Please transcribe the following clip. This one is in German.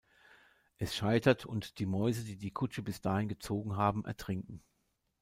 Es scheitert und die Mäuse, die die Kutsche bis dahin gezogen haben, ertrinken.